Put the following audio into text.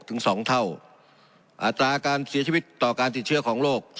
ถึงสองเท่าอัตราการเสียชีวิตต่อการติดเชื้อของโรค